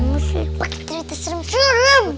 musik paket cerita serem serem